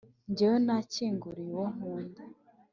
Jyewe nakinguriye uwo nkunda,